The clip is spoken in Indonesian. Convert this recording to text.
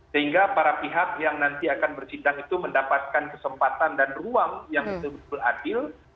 sehingga para pihak yang nanti akan bersidang itu mendapatkan kesempatan dan ruang yang betul betul adil